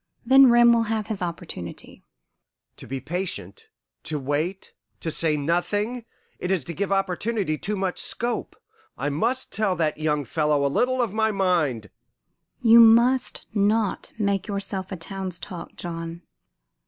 Then Rem will have his opportunity." "To be patient to wait to say nothing it is to give opportunity too much scope. I must tell that young fellow a little of my mind " "You must not make yourself a town's talk, John.